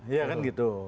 iya kan gitu